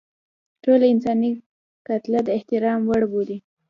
ټوله انساني کتله د احترام وړ بولي.